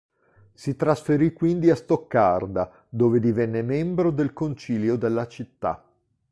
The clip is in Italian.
Si trasferì quindi a Stoccarda, dove divenne membro del concilio della città.